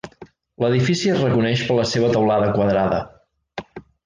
L'edifici es reconeix per la seva teulada quadrada.